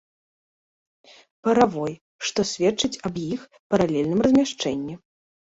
Баравой, што сведчыць аб іх паралельным размяшчэнні.